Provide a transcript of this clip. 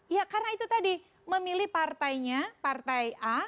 ya karena itu tadi memilih partainya partai a